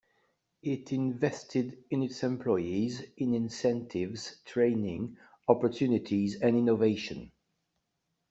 It invested in its employees in incentives, training, opportunities, and innovation.